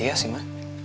iya sih ma